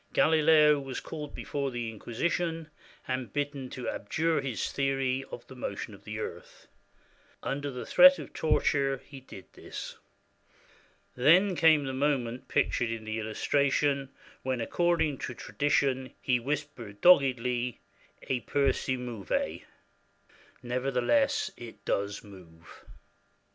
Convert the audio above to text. Galileo was called before the Inquisition, and bidden to abjure his theory of the motion of the earth. Un der the threat of torture he did this. Then came the moment pictured in the illustration when, according to tradition, he whispered doggedly, "E pur si muove" (Nevertheless, it does move).